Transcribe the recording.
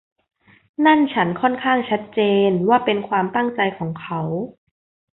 นั่นฉันค่อนข้างชัดเจนว่าเป็นความตั้งใจของเขา